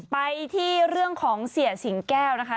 ไปที่เรื่องของเสียสิงแก้วนะคะ